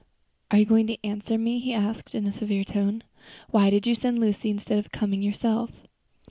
"Are you going to answer me?" he asked, in his severe tone. "Why did you send Lucy instead of coming yourself?"